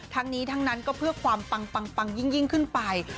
ทั้งนี้ทั้งนั้นก็เพื่อความปังยิ่งขึ้นไป